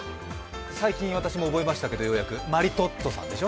最近私も覚えましたけど、ようやくマリトッツォさんでしょ？